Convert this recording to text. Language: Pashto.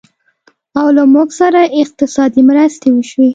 او له موږ سره اقتصادي مرستې وشي